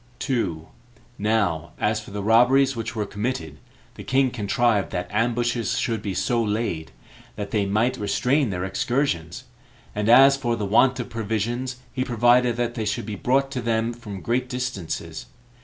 2. Now as for the robberies which were committed, the king contrived that ambushes should be so laid, that they might restrain their excursions; and as for the want of provisions, he provided that they should be brought to them from great distances.